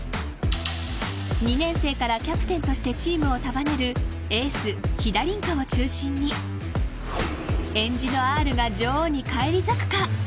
２年生からキャプテンとしてチームを束ねるエース飛田凛香を中心にえんじのＲが女王に返り咲くか。